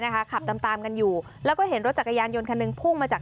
ขับตามตามกันอยู่แล้วก็เห็นรถจักรยานยนต์คันหนึ่งพุ่งมาจาก